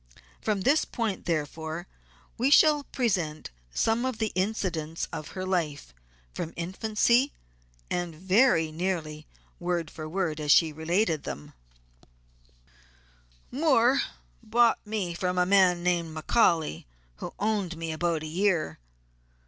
From this point, therefore, we shall present some of the incidents of her life, from infancy, and very nearly word for word as she related them: "Moore bought me from a man named McCaully, who owned me about a year.